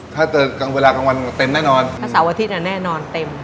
ถ้าเจอกลางเวลากลางวันเต็มแน่นอนถ้าเสาร์อาทิตย์แน่นอนเต็ม